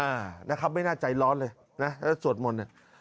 อ่านะครับไม่น่าใจร้อนเลยนะจะสวดมนตร์